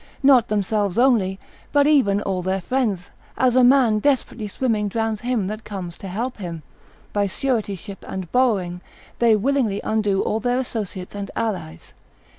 not themselves only, but even all their friends, as a man desperately swimming drowns him that comes to help him, by suretyship and borrowing they will willingly undo all their associates and allies.